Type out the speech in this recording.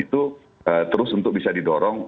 itu terus untuk bisa didorong